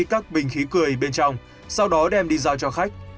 các bình khí cười bên trong sau đó đem đi giao cho khách